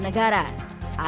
sehingga kita bisa berjaya